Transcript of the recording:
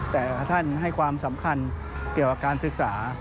แต่ท่านให้ความสำคัญเกี่ยวกับการศึกษา